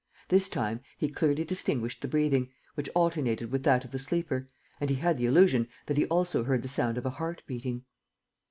This time, he clearly distinguished the breathing, which alternated with that of the sleeper, and he had the illusion that he also heard the sound of a heart beating.